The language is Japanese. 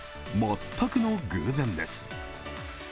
全くの偶然です。